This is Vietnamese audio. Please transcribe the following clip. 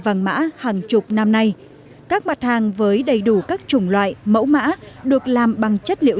vàng mã hàng chục năm nay các mặt hàng với đầy đủ các chủng loại mẫu mã được làm bằng chất liệu